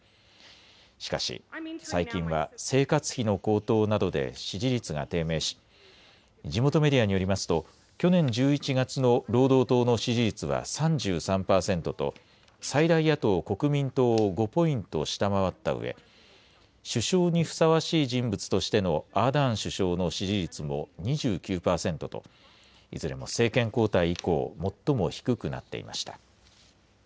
しかし最近は生活費の高騰などで支持率が低迷し地元メディアによりますと去年１１月の労働党の支持率は３３％と、最大野党・国民党を５ポイントを下回ったうえ首相にふさわしい人物としてのアーダーン首相の支持率も２９％といずれも政権交代以降、最も低くなっていました。